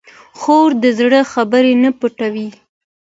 خور د زړه خبرې نه پټوي.